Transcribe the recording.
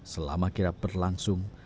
selama kirap berlangsung